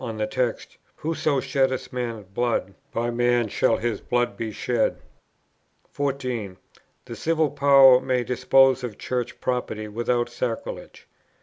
on the text, "Whoso sheddeth man's blood, by man shall his blood be shed." 14. The Civil Power may dispose of Church property without sacrilege.